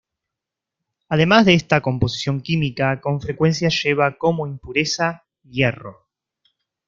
Además de esta composición química, con frecuencia lleva como impureza hierro.